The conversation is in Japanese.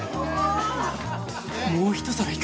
もう一皿いく？